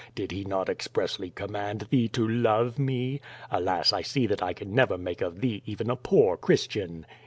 Did he not expressly com mand thee to love me? Alas, I see that I can never make of thee even a poor Christian.